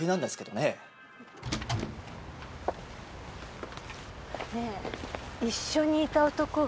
ねえ一緒にいた男は。